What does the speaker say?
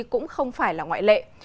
cũng không phải là ngoại lệ